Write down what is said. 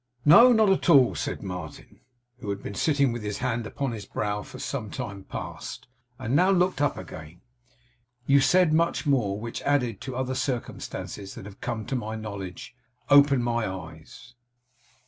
'No not all,' said Martin, who had been sitting with his hand upon his brow for some time past, and now looked up again; 'you said much more, which, added to other circumstances that have come to my knowledge, opened my eyes.